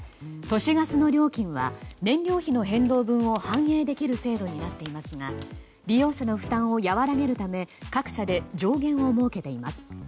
都市ガスの料金は燃料費の変動分を反映できる制度になっていますが利用者の負担を和らげるため各社で上限を設けています。